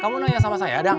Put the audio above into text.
kamu nanya sama saya